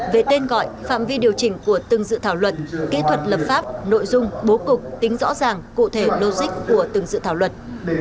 về tên gọi phạm vi điều chỉnh của từng dự thảo luật kỹ thuật lập pháp nội dung bố cục tính rõ ràng cụ thể logic của từng dự thảo luật